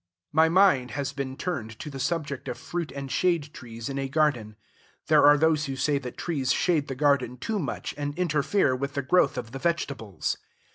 My mind has been turned to the subject of fruit and shade trees in a garden. There are those who say that trees shade the garden too much, and interfere with the growth of the vegetables.